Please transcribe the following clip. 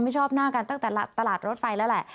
ชอบหน้ากันตั้งแต่ตลาดรถไปแล้วแหละ